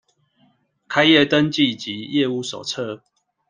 開業登記及業務手冊